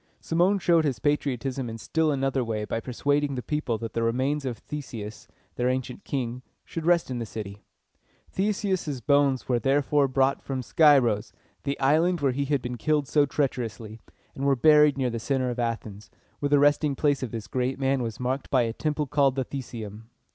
Cimon showed his patriotism in still another way by persuading the people that the remains of Theseus, their ancient king, should rest in the city. Theseus' bones were therefore brought from Scyros, the island where he had been killed so treacherously, and were buried near the center of Athens, where the resting place of this great man was marked by a temple called the The se´um.